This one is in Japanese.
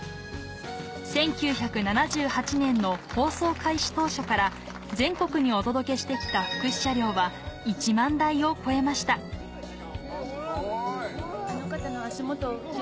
１９７８年の放送開始当初から全国にお届けして来た福祉車両は１万台を超えましたすごい！